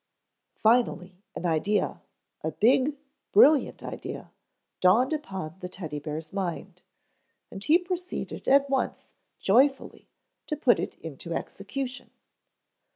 Finally an idea, a big, brilliant idea, dawned upon the Teddy bear's mind, and he proceeded at once joyfully to put it into execution.